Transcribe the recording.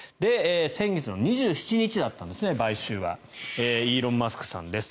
先月２７日だったんです買収は。イーロン・マスクさんです。